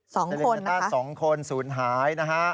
เซเลนิต้า๒คนศูนย์หายนะฮะ